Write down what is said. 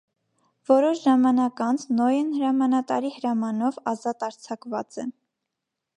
Որոշ ժամանակ անց, նոյն հրամանատարի հրամանով, ազատ արձակուած է։